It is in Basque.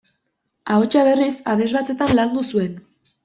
Ahotsa, berriz, abesbatzetan landu zuen.